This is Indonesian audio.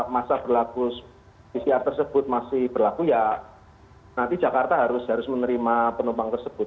masa berlaku pcr tersebut masih berlaku ya nanti jakarta harus menerima penumpang tersebut